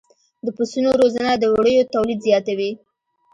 د پسونو روزنه د وړیو تولید زیاتوي.